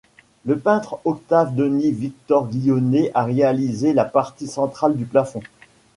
Le peintre Octave Denis Victor Guillonnet a réalisé la partie centrale du plafond.